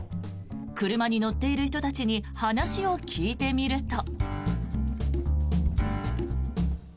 車に乗っている人たちに話を聞いてみると。